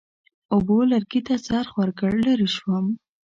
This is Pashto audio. اوبو لرګي ته څرخ ورکړ، لرې شوم.